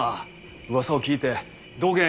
うわさを聞いてどげん